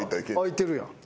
空いてるやん。